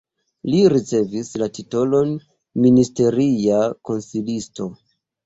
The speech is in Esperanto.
Li ricevis la titolon ministeria konsilisto.